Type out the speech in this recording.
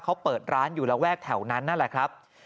เขาเปิดร้านอยู่ระแวกแถวนั้นนั่นแหละครับ